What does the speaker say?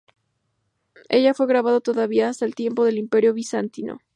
Ella fue grabado todavía hasta el tiempo del Imperio bizantino.